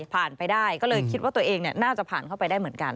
ไปได้ก็เลยคิดว่าตัวเองน่าจะผ่านเข้าไปได้เหมือนกัน